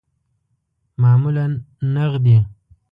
معمولاً نغدی